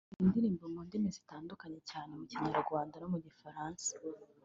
nandika indirimbo mu ndimi zitandukanye cyane mu Kinyarwanda no mu Gifaransa